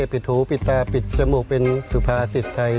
ปิดหูปิดตาปิดจมูกเป็นสุภาษิตไทย